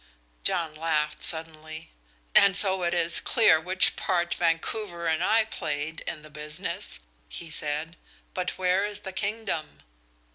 John laughed suddenly. "And so it is clear which part Vancouver and I played in the business," he said. "But where is the kingdom?"